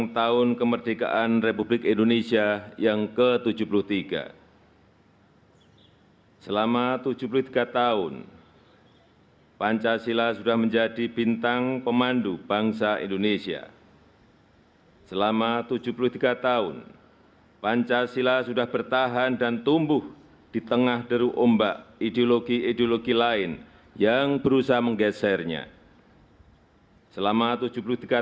tanda kebesaran buka hormat senjata